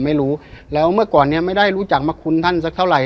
ไม่รู้แล้วเมื่อก่อนเนี้ยไม่ได้รู้จักมาคุณท่านสักเท่าไห